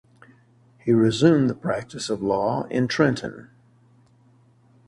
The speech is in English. He resumed the practice of law in Trenton.